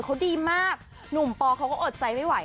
เขาดีมากหนุ่มปอเขาก็อดใจไม่ไหว